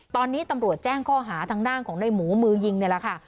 ตอนนี้ตำรวจแจ้งข้อหาทางด้านของในหมูมือยิงนี่แหละค่ะ